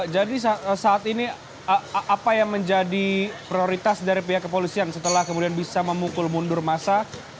jadi saat ini apa yang menjadi prioritas dari pihak kepolisian setelah kemudian bisa memukul mundur masa